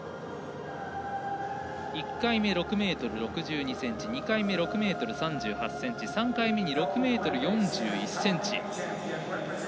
１回目、６ｍ６２ｃｍ２回目、６ｍ３８ｃｍ３回目に６ｍ４１ｃｍ。